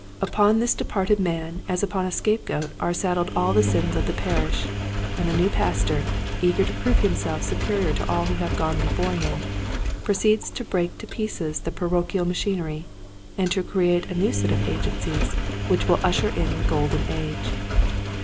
Upon this departed man as upon a scapegoat are saddled all the sins of the parish, and the new Pastor, eager to prove himself superior to all who have gone before him, proceeds to break to pieces the parochial machinery, and to create a new set of agencies which will usher in the golden age.